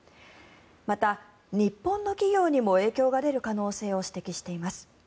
また、日本の企業にも影響が出る可能性を指摘しています。